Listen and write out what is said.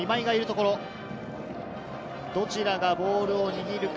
どちらがボールを握るか。